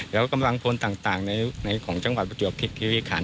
แล้วกำลังพลต่างในของจังหวัดประจวบทิศคิริขัน